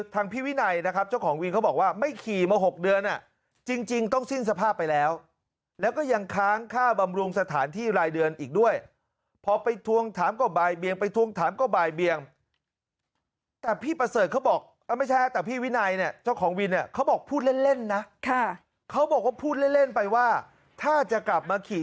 ทางพี่วินัยนะครับเจ้าของวินเขาบอกว่าไม่ขี่มา๖เดือนจริงต้องสิ้นสภาพไปแล้วแล้วก็ยังค้างค่าบำรุงสถานที่รายเดือนอีกด้วยพอไปทวงถามก็บ่ายเบียงไปทวงถามก็บ่ายเบียงแต่พี่ประเสริฐเขาบอกไม่ใช่แต่พี่วินัยเนี่ยเจ้าของวินเนี่ยเขาบอกพูดเล่นเล่นนะเขาบอกว่าพูดเล่นเล่นไปว่าถ้าจะกลับมาขี่